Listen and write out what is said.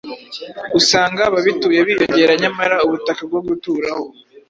usanga ababituye biyongera nyamara ubutaka bwo guturaho